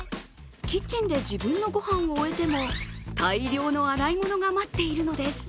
キッチンで自分のご飯を終えても大量の洗い物が待っているのです。